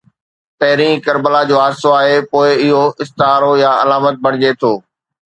پهرين ڪربلا جو حادثو آهي، پوءِ اهو استعارو يا علامت بڻجي ٿو.